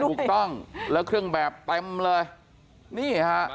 ถูกต้องแล้วเครื่องแบบเต็มเลยนี่ฮะ